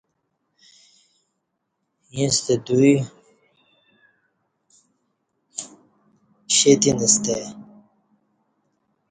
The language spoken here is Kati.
ییݩستہ دوئی شیتینستہ آئی۔